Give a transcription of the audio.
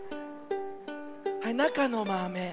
はいなかのまめ。